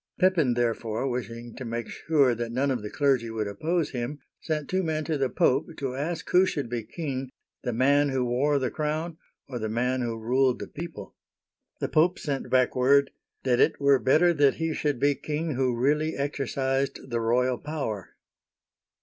Pepin, therefore, wishing to make sure that none of the clergy would oppose him, sent two men to the Pope to ask who should be king, the man who wore the crown or the man who ruled the people } The Pope sent back word, " That it were better that he should be king who really exercised the royal power."